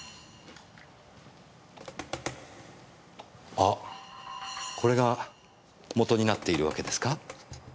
あっこれが元になっているわけですか？